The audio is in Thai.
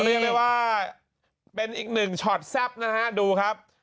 เรียกได้ว่าเป็นอีกหนึ่งช็อตแซ่บนะฮะดูครับ